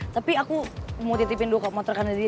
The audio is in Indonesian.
tapi aku mau titipin dua motor karena dia